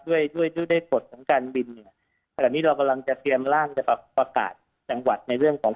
ด้วยด้วยกฎของการบินเนี่ยขณะนี้เรากำลังจะเตรียมร่างจะประกาศจังหวัดในเรื่องของ